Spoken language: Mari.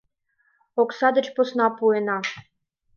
Окса деч посна пуэна.